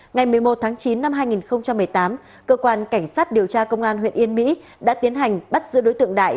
ngày một mươi một tháng chín năm hai nghìn một mươi tám cơ quan cảnh sát điều tra công an huyện yên mỹ đã tiến hành bắt giữ đối tượng đại